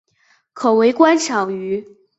可为观赏鱼。